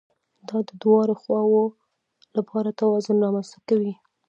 دا د دواړو خواوو لپاره توازن رامنځته کوي